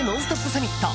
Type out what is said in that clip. サミット